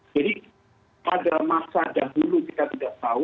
jadi pada masa dahulu kita tidak tahu